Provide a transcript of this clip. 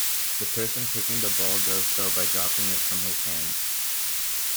The person kicking the ball does so by dropping it from his hands.